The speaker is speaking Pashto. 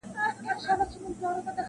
• ستا تر درشله خامخا راځمه -